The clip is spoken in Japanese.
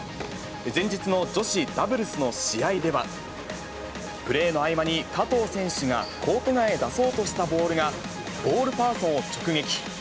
前日の女子ダブルスの試合では、プレーの合間に、加藤選手がコート外へ出そうとしたボールがボールパーソンを直撃。